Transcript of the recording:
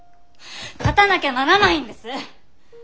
勝たなきゃならないんです！